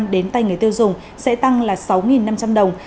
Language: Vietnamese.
đến tay người tiêu dùng sẽ tăng là sáu năm trăm linh đồng